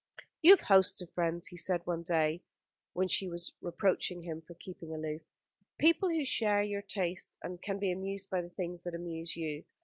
"You have hosts of friends," he said one day when she reproached him for keeping aloof, "people who share your tastes and can be amused by the things that amuse you.